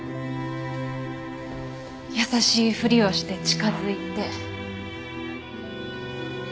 優しいふりをして近づいて。